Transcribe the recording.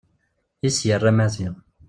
I as-yerra Maziɣ.